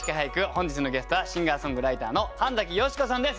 本日のゲストはシンガーソングライターの半美子さんです。